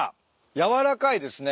柔らかいですね。